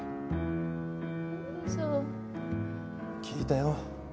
聞いたよ。